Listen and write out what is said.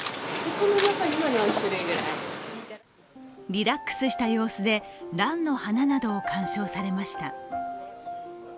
リラックスした様子でらんの花などを観賞されました。